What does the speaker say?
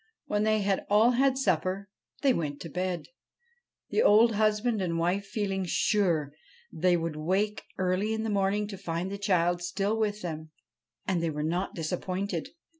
When they had all had supper, they went to bed, the old husband and wife feeling sure that they would wake early in the morning to find the child still with them. And they were not disappointed.